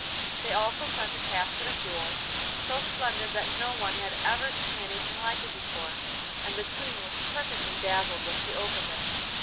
They also sent a casket of jewels, so splendid that no one had ever seen anything like it before, and the Queen was perfectly dazzled when she opened it.